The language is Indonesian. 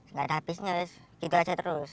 nggak ada habisnya gitu aja terus